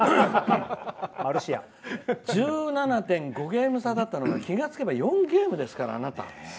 「１７．５ゲーム差だったのが気が付けば４ゲームですから」。